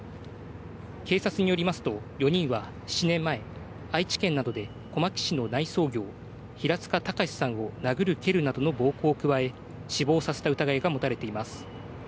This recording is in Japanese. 警察によりますと４人は７年前、愛知県などで小牧市の内装業・平塚崇さんを殴る蹴るなどの暴行を加え、死亡させた疑いが持たれています。